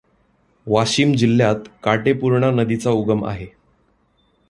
वाशीम जिल्ह्यात काटेपूर्णा नदीचा उगम आहे.